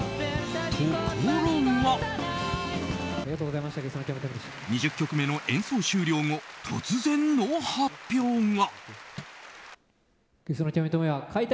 ところが、２０曲目の演奏終了後突然の発表が。